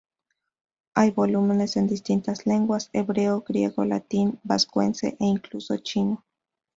Hay volúmenes en distintas lenguas: hebreo, griego, latín, vascuence e incluso chino.